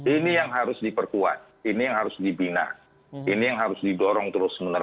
ini yang harus diperkuat ini yang harus dibina ini yang harus didorong terus menerus